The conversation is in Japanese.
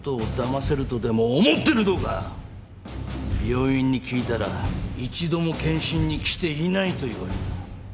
病院に聞いたら一度も健診に来ていないと言われた。